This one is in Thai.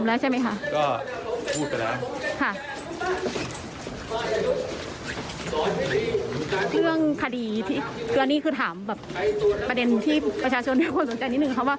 ประชาชนจะควรสนใจนิดนึง